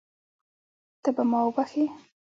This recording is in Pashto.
ته به ما وبښې.